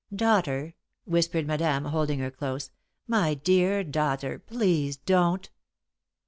"Daughter," whispered Madame, holding her close. "My dear daughter! Please don't!"